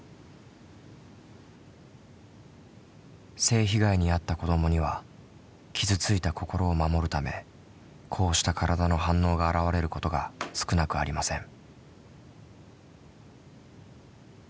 性被害に遭った子どもには傷ついた心を守るためこうした体の反応が現れることが少なくありません。